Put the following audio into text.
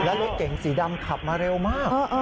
แล้วรถเก๋งสีดำขับมาเร็วมาก